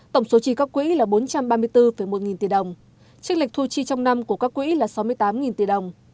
tổng số chi các quỹ là bốn trăm ba mươi bốn một nghìn tỷ đồng trích lịch thu chi trong năm của các quỹ là sáu mươi tám tỷ đồng